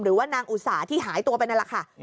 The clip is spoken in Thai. หรือว่านางอุตสาหที่หายตัวไปนั่นแหละค่ะ